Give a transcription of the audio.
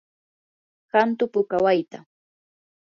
hantu puka wayta.